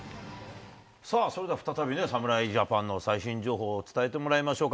さあ、それでは再び侍ジャパンの最新情報を伝えてもらいましょうか。